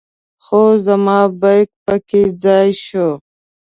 خو زما بیک په کې ځای شو.